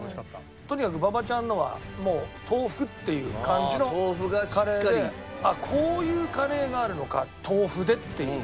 とにかく馬場ちゃんのはもう豆腐っていう感じのカレーでこういうカレーがあるのか豆腐でっていう。